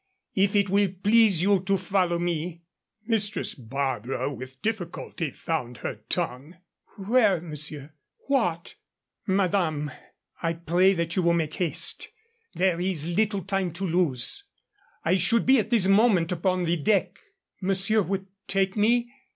If it will please you to follow me " Mistress Barbara with difficulty found her tongue. "Where, monsieur. What " "Madame, I pray that you will make haste. There is little time to lose. I should be at this moment upon the deck." "Monsieur would take me